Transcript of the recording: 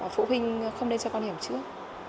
phụ huynh không nên cho con hiểu trước